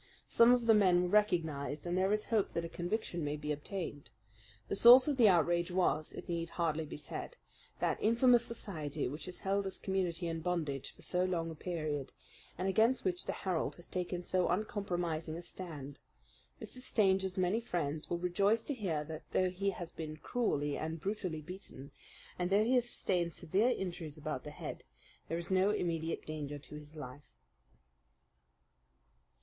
Some of the men were recognized, and there is hope that a conviction may be obtained. The source of the outrage was, it need hardly be said, that infamous society which has held this community in bondage for so long a period, and against which the Herald has taken so uncompromising a stand. Mr. Stanger's many friends will rejoice to hear that, though he has been cruelly and brutally beaten, and though he has sustained severe injuries about the head, there is no immediate danger to his life.